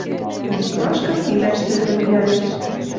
Москвашкы сирӓш тӹ тӹнгӓлеш: